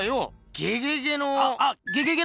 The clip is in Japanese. ゲゲゲのゲ！